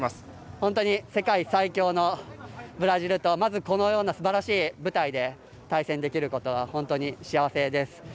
本当に世界最強のブラジルとこのようなすばらしい舞台で対戦できることは本当に幸せです。